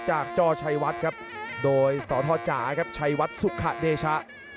จอชัยวัดครับโดยสทจ๋าครับชัยวัดสุขะเดชะ